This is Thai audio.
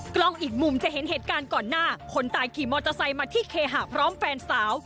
กล้องอีกมุมจะเห็นเหตุการณ์ก่อนหน้าคนตายขี่มอเตอร์ไซค์มาที่เคหะพร้อมแฟนสาว